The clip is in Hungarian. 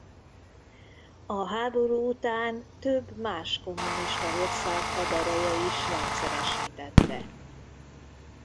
A háború után több más kommunista ország hadereje is rendszeresítette.